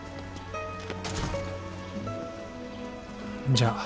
じゃあ。